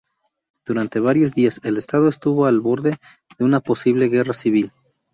Durante varios días, el estado estuvo al borde de una posible guerra civil.